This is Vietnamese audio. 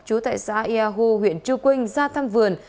chú tại xã ia hô huyện trư quynh ra thăm vườn